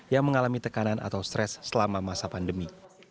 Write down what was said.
yang mengalami tekanan atau stres selama masa pandemi